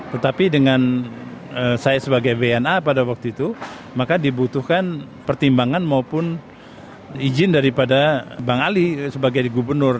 tetapi dengan saya sebagai wna pada waktu itu maka dibutuhkan pertimbangan maupun izin daripada bang ali sebagai gubernur